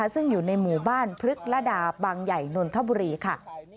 ซึ่งอยู่ในหมู่บ้านพฤกษดาบางใหญ่นนทบุรีค่ะ